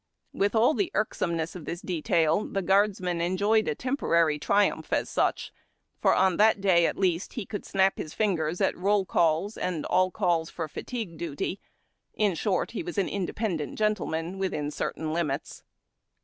With all the irk someness of the detail, the guardsman enjoyed a temporary triumph as such, for on that day, at least, he could snap his fingers at roll calls and all calls for fatigue duty — in short, was an independent gentleman within certain limits.